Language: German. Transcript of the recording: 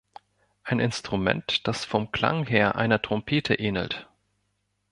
Ein Instrument, das vom Klang her einer Trompete ähnelt